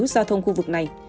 giao thông khu vực này